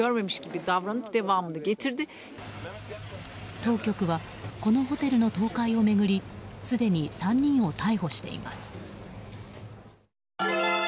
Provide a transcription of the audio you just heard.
当局はこのホテルの倒壊を巡りすでに３人を逮捕しています。